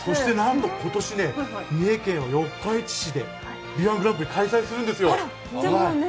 そして今年、三重県四日市市でＢ−１グランプリ開催するんですよ